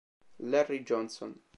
Larry Johnson